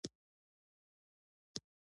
د دوبي له ختمه سره یخې شپې راغلې.